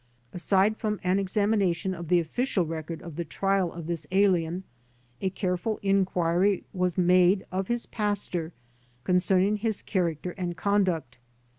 Aside from an examination of the official record of the trial of this alien a careful inquiry was made of his pastor concerning his character and conduct.